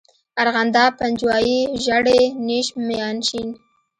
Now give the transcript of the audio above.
ارغنداب، پنجوائی، ژړی، نیش، میانشین.